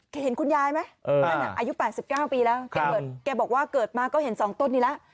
แกเห็นคุณยายไหมอายุป่าน๑๙ปีแล้วแกบอกว่าเกิดมาก็เห็นสองต้นนี้ละ